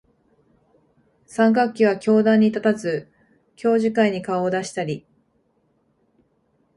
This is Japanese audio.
三学期は教壇に立たず、教授会に顔を出したり、